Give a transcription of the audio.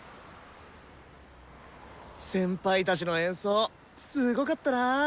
先輩たちの演奏すごかったな。